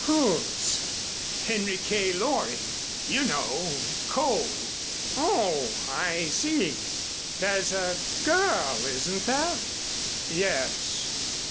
"Whose?" "Henry K. Loring. You know coal." "Oh I see. There's a girl, isn't there?" "Yes."